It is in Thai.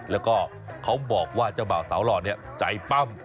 แล้วก็เขาบอกว่าเจ้าบ่าวสาวหล่อเนี่ยใจปั้ม